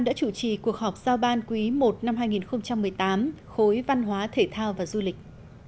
đã chủ trì cuộc họp giao ban quý i năm hai nghìn một mươi tám khối văn hóa thể thao và du lịch